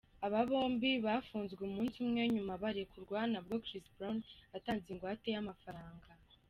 Aba bombi bafunzwe umunsi umwe nyuma barekurwa nabwo Chris Brown atanze ingwate y’amafaranga.